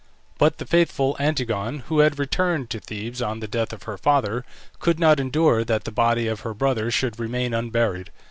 But the faithful Antigone, who had returned to Thebes on the death of her father, could not endure that the body of her brother should remain unburied.